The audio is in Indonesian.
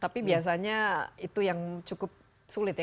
tapi biasanya itu yang cukup sulit ya